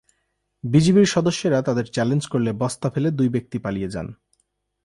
বিজিবির সদস্যরা তাঁদের চ্যালেঞ্জ করলে বস্তা ফেলে দুই ব্যক্তি পালিয়ে যান।